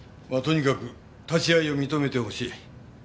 まあとにかく立ち会いを認めてほしい。